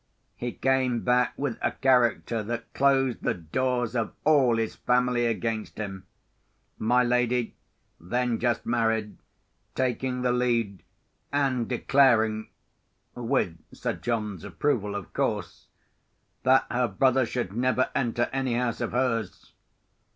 He came back with a character that closed the doors of all his family against him, my lady (then just married) taking the lead, and declaring (with Sir John's approval, of course) that her brother should never enter any house of hers.